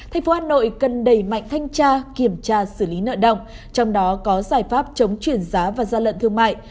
hà nội cần đầy mạnh thanh tra kiểm tra xử lý nợ động trong đó có giải pháp chống chuyển giá và gia lận thương mại